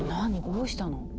どうしたの？